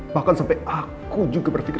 bahkan sampai aku juga berpikir